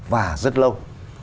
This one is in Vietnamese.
và rất lâu